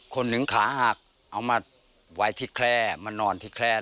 คนหนึ่งขาหักเอามาไว้ที่แคล่มานอนที่แคล่